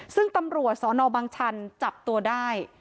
ซึ่งตำรวจสนบังชันจับตัวได้